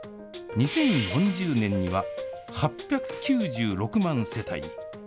２０４０年には８９６万世帯。